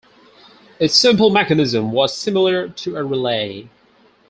Its simple mechanism was similar to a relay.